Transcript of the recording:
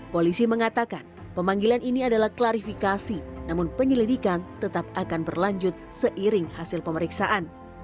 polisi mengatakan pemanggilan ini adalah klarifikasi namun penyelidikan tetap akan berlanjut seiring hasil pemeriksaan